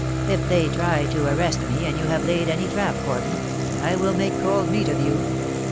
If they try to arrest me, and you have laid any trap for me, I will make 'cold meat' of you."